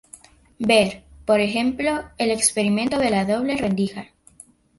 Ver, por ejemplo, el experimento de la doble rendija.